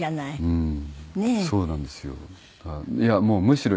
うん。